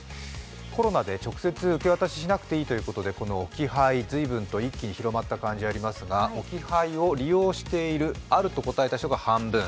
コロナで直接受け渡ししなくていいということでこの置き配、一気に広まった感じがありますが、置き配を利用している、あると答えた人が半分。